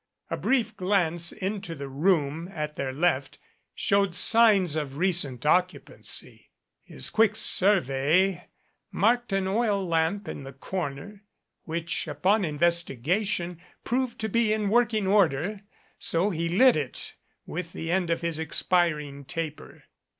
A brief glance into the room at their left showed signs of recent occu pancy. His quick survey marked an oil lamp in the MADCAP corner, which, upon investigation, proved to be in work ing order, so he lit it with the end of his expiring taper.